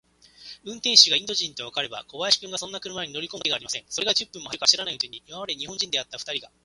運転手がインド人とわかれば、小林君がそんな車に乗りこむわけがありません。それが、十分も走るか走らないうちに、今まで日本人であったふたりが、